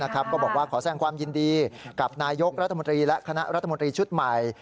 ก็บอกว่าขอแสงความยินดีกับนายกรัฐมนตรีและคณะรัฐมนตรีชุดใหม่